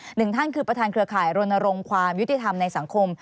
หนึ่งท่านคือประธานเครือข่ายรณรงค์ความยุติธรรมในสังคม